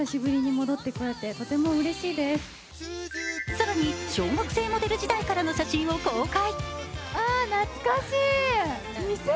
更に小学生モデル時代からの写真を公開。